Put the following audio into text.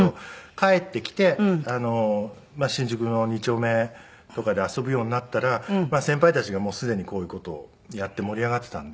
帰ってきてまあ新宿の二丁目とかで遊ぶようになったら先輩たちがもうすでにこういう事をやって盛り上がってたんで。